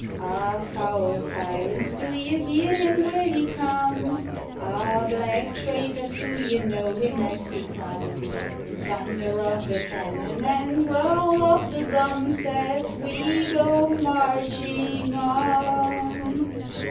Ah, foul t3frants ! do ye hear him where he comes ? Ah, black traitors ! do ye know him as he comes ? In thunder of the cannon and roll of the drums, As we go marching on.